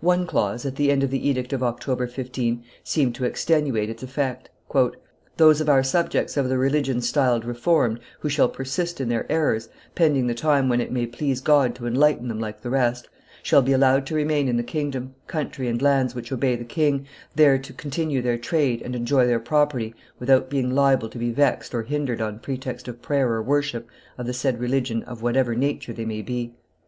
One clause, at the end of the edict of October 15, seemed to extenuate its effect. "Those of our subjects of the religion styled Reformed who shall persist in their errors, pending the time when it may please God to enlighten them like the rest, shall be allowed to remain in the kingdom, country, and lands, which obey the king, there to continue their trade and enjoy their property without being liable to be vexed or hindered on pretext of prayer or worship of the said religion of whatsoever nature they may be."